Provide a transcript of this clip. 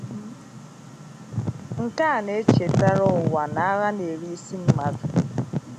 Nke a na-echetere ụwa na agha na-eri isi mmadụ